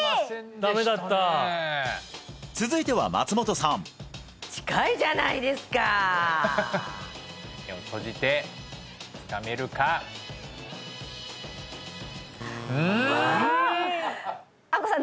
ダメだった続いては松本さん近いじゃないですか目を閉じてつかめるかうん！